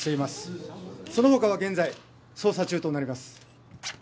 その他は現在捜査中となります。